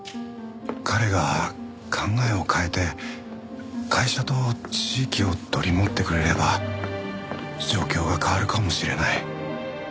彼が考えを変えて会社と地域を取り持ってくれれば状況が変わるかもしれない。